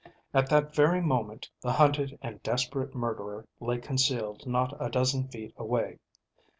At that very moment the hunted and desperate murderer lay concealed not a dozen feet away.